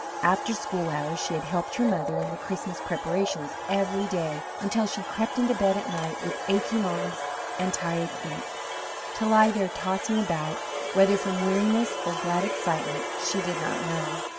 After school hours she had helped her mother in the Christmas preparations every day until she crept into bed at night with aching arms and tired feet, to lie there tossing about, whether from weariness or glad excitement she did not know.